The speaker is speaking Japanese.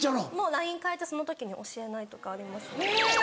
ＬＩＮＥ変えてその時に教えないとかありますね。